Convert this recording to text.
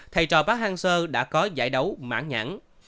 thầy trò bá hang seo đã có giải đấu mãn nhãn